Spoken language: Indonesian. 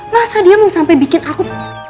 masa dia mau sampai bikin aku